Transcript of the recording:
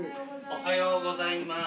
おはようございます。